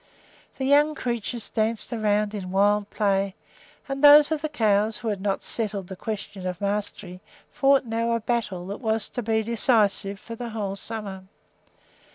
The young creatures danced around in wild play, and those of the cows who had not settled the question of mastery fought now a battle that was to be decisive for the whole summer.